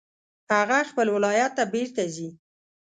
هغه خپل ولایت ته بیرته ځي